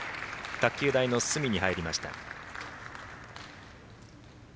卓球台の隅に入りました。